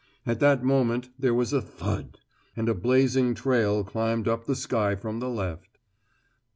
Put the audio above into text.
At that moment there was a thud, and a blazing trail climbed up the sky from the left.